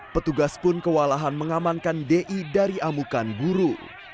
petugas pun kewalahan mengamankan di dari amukan guru